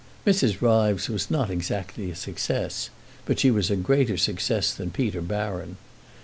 Mrs. Ryves was not exactly a success, but she was a greater success than Peter Baron.